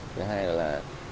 thứ hai là là